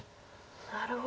なるほど。